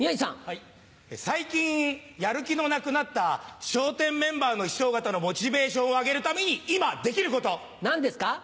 最近やる気のなくなった笑点メンバーの師匠方のモチベーションを上げるために今できること。何ですか？